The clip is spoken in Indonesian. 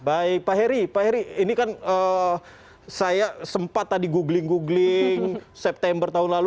baik pak heri pak heri ini kan saya sempat tadi googling googling september tahun lalu